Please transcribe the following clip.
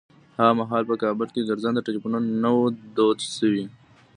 هغه مهال په کابل کې ګرځنده ټليفونونه نه وو دود شوي.